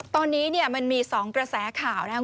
ตอนนี้เนี่ยมันมี๒กระแสข่าวนะครับ